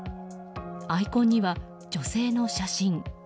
アイコンには女性の写真。